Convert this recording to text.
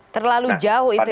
terlalu jauh itu ya